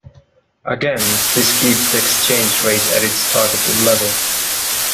Again, this keeps the exchange rate at its targeted level.